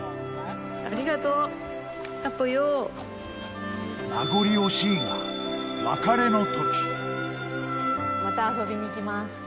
ありがとう、名残惜しいが、また遊びに来ます。